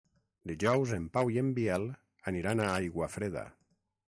Dijous en Pau i en Biel aniran a Aiguafreda.